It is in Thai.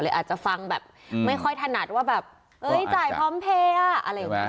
อาจจะฟังแบบไม่ค่อยถนัดว่าแบบเอ้ยจ่ายพร้อมเพลย์อะไรอย่างนี้